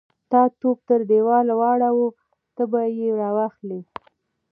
_تا توپ تر دېوال واړاوه، ته به يې را اخلې.